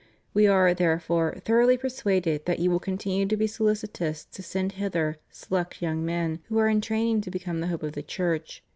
We are, therefore, thoroughly persuaded that }^ou will continue to be solicitous to send hither select young men who are in training to become the hope of the Church.